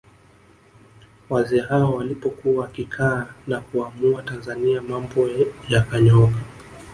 Wazee hawa walipokuwa wakikaa na kuamua Tanzania mambo yakanyooka